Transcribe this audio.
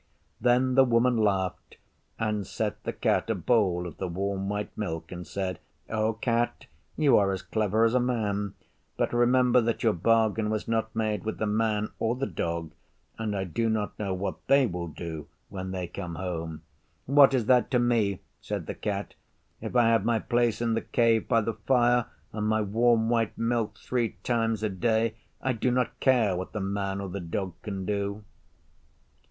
Then the Woman laughed and set the Cat a bowl of the warm white milk and said, 'O Cat, you are as clever as a man, but remember that your bargain was not made with the Man or the Dog, and I do not know what they will do when they come home.' 'What is that to me?' said the Cat. 'If I have my place in the Cave by the fire and my warm white milk three times a day I do not care what the Man or the Dog can do.